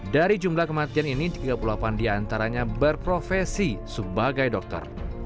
dari jumlah kematian ini tiga puluh delapan diantaranya berprofesi sebagai dokter